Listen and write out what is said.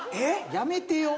やめてよ